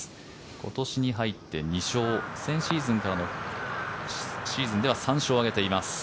今年に入って２勝先シーズンでは３勝を挙げています。